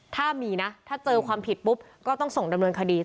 ถ้ามีนะถ้าเจอความผิดปุ๊บก็ต้องส่งดำเนินคดี